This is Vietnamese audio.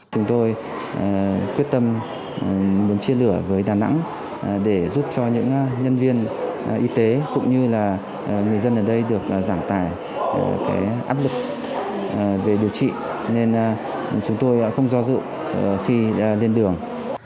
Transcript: chúng tôi quyết tâm muốn chia lửa với đà nẵng để giúp cho những nhân viên y tế cũng như là người dân ở đây được giảm tải áp lực về điều trị cho nên chúng tôi không do dự khi lên đường